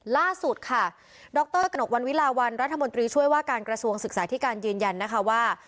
ล่าสุดค่ะดรกระหนกวันวิลาวันรัฐมนตรีช่วยว่าการกระทรวงศึกษาที่การยืนยันนะคะว่า